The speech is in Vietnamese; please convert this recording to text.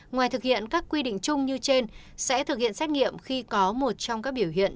ngoài thực hiện các quy định chung như trên sẽ thực hiện xét nghiệm khi có một trong các biểu hiện